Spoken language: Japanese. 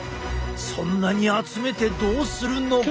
そんなに集めてどうするのか？